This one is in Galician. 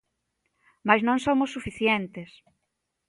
Mais non somos suficientes.